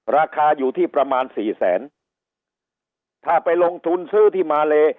ราคาอยู่ที่ประมาณสี่แสนถ้าไปลงทุนซื้อที่มาเล